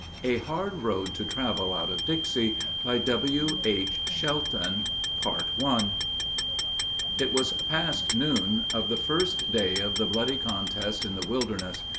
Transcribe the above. A HARD ROAD TO TRAVEL OUT OF DIXIE BY W.H. SHELTON It was past noon of the first day of the bloody contest in the Wilderness.